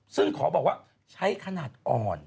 ซึ่งขอบอกว่าใช้ขนาดอ่อน